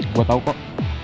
gue tau kok